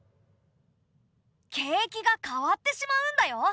景気が変わってしまうんだよ！